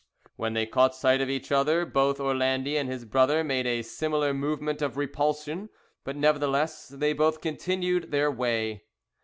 When they caught sight of each other both Orlandi and his brother made a similar movement of repulsion, but, nevertheless, they both continued their way.